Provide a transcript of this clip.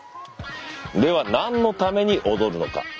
では何のために踊るのか。